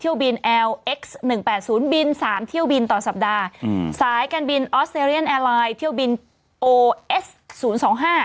บินแอลเอ็กซ์หนึ่งแปดศูนย์บินสามเที่ยวบินต่อสัปดาห์อืมสายการบินออสเตรเลียนแอร์ไลน์เที่ยวบินโอเอสศูนย์สองห้า